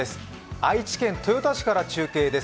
愛知県豊田市から中継です。